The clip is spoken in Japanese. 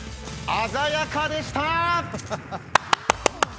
鮮やかでした！